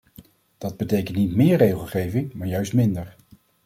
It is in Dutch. Dat betekent niet meer regelgeving, maar juist minder.